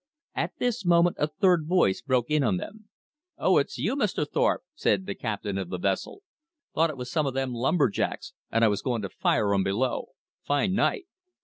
At this moment a third voice broke in on them. "Oh, it's you, Mr. Thorpe," said the captain of the vessel. "Thought it was some of them lumber jacks, and I was going to fire 'em below. Fine night."